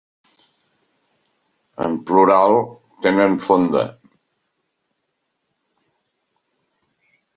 En plural, tenen fonda.